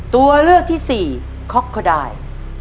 ตัวเลือกที่สี่ค็อกโคดาย